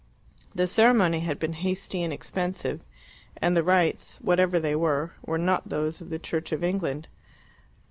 The ceremony had been hasty and expensive, and the rites, whatever they were, were not those of the Church of England.